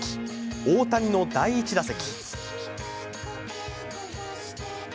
大谷の第１打席。